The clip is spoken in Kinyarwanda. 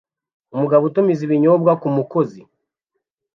Umugabo utumiza ibinyobwa kumukozi